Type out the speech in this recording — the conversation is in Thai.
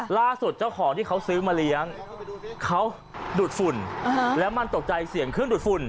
เจ้าของที่เขาซื้อมาเลี้ยงเขาดูดฝุ่นแล้วมันตกใจเสียงเครื่องดูดฝุ่น